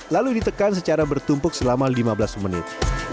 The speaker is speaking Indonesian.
lalu ditekan secara bertumpuk selama lima belas menit